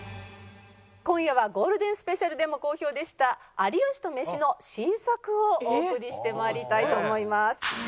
今夜はゴールデンスペシャルでも好評でした「有吉とメシ」の新作をお送りして参りたいと思います。